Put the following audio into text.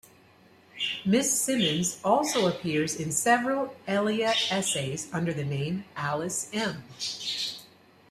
Miss Simmons also appears in several Elia essays under the name "Alice M".